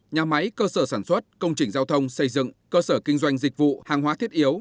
nhà máy cơ sở sản xuất công trình giao thông xây dựng cơ sở kinh doanh dịch vụ hàng hóa thiết yếu